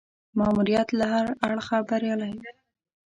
ماموریت له هره اړخه بریالی وو.